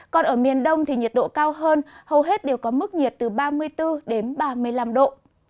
còn ở miền đông thì nhiệt độ cao hơn hầu hết đều có mức nhiệt từ ba mươi bốn đến ba mươi năm độ